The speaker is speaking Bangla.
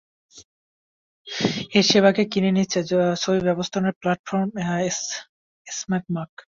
এ সেবাকে কিনে নিচ্ছে ছবি ব্যবস্থাপনার প্ল্যাটফর্ম স্ম্যাগমাগ।